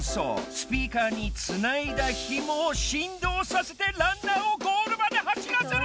スピーカーにつないだヒモをしんどうさせてランナーをゴールまではしらせろ！